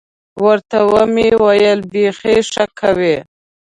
ورته ومې ویل بيخي ښه کوې.